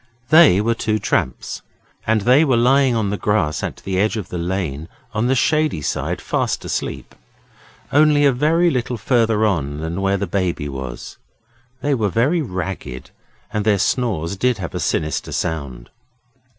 They were two tramps, and they were lying on the grass at the edge of the lane on the shady side fast asleep, only a very little further on than where the Baby was. They were very ragged, and their snores did have a sinister sound.